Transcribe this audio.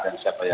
dan siapa yang